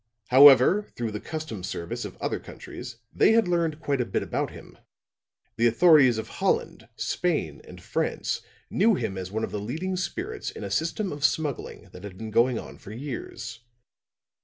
"'However, through the customs services of other countries, they had learned quite a lot about him. The authorities of Holland, Spain and France knew him as one of the leading spirits in a system of smuggling that had been going on for years.